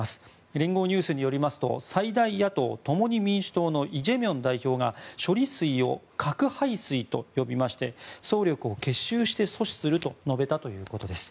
連合ニュースによりますと最大野党・共に民主党のイ・ジェミョン代表が処理水を核廃水と呼びまして総力を結集して阻止すると述べたということです。